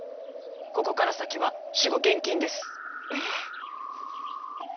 ここから先は私語厳禁です。え？